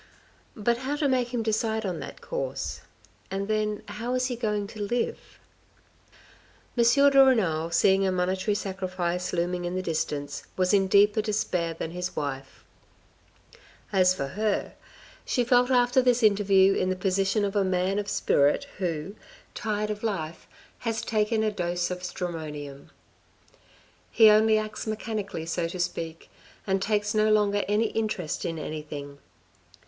But how to make him decide on that course? And then how is he going to live? M. de Renal, seeing a monetary sacrifice looming in the distance, was in deeper despair than his wife. As for her, SORROWS OF AN OFFICIAL 165 she felt after this interview in the position of a man of spirit who, tired of life, has taken a dose of stramonium. He only acts mechanically so to speak, and takes no longer any interest in anything.